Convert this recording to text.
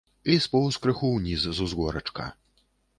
І споўз крыху ўніз з узгорачка.